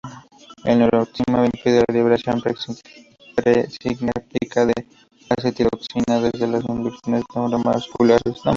La neurotoxina impide la liberación presináptica de acetilcolina desde las uniones neuromusculares.